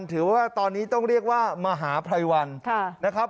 ถือว่าตอนนี้ต้องเรียกว่ามหาภัยวันนะครับ